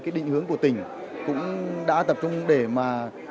cái định hướng của tỉnh cũng đã tập trung để mà